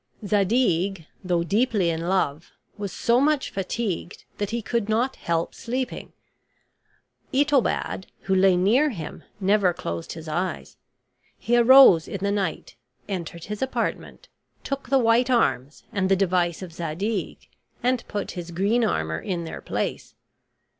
Zadig, though deeply in love, was so much fatigued that he could not help sleeping. Itobad, who lay near him, never closed his eyes. He arose in the night, entered his apartment, took the white arms and the device of Zadig, and put his green armor in their place.